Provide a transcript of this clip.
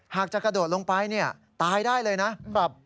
หากจะกระโดดลงไปเนี่ยตายได้เลยนะ